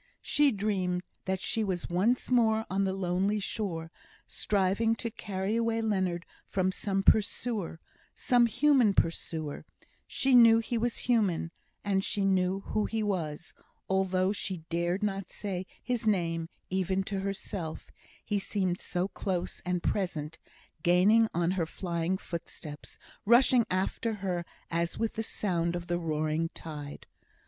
She dreamed that she was once more on the lonely shore, striving to carry Leonard away from some pursuer some human pursuer she knew he was human, and she knew who he was, although she dared not say his name even to herself, he seemed so close and present, gaining on her flying footsteps, rushing after her as with the sound of the roaring tide.